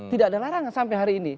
tidak ada larangan sampai hari ini